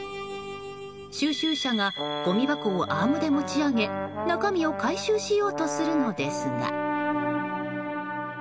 収集車がごみ箱をアームで持ち上げ中身を回収しようとするのですが。